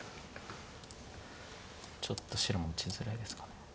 ちょっと白持ちづらいですか。